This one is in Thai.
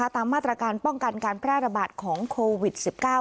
ตามมาตรการป้องกันการแพร่ระบาดของโควิด๑๙